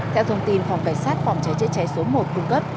theo thông tin phòng cài sát phòng cháy chết cháy số một cung cấp